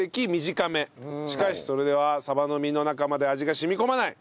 しかしそれではサバの身の中まで味が染み込まない！